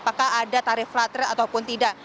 apakah ada tarif flat rate ataupun tidak